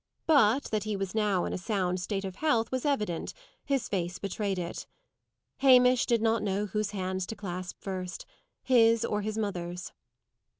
But that he was now in a sound state of health was evident; his face betrayed it. Hamish did not know whose hands to clasp first; his, or his mother's.